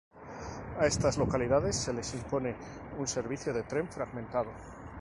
a estas localidades se les impone un servicio de tren fragmentado